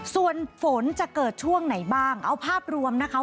ส่วนฝนจะเกิดช่วงไหนบ้างเอาภาพรวมนะคะ